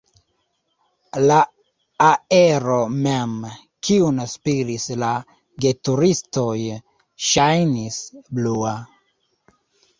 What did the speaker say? La aero mem, kiun spiris la geturistoj, ŝajnis blua.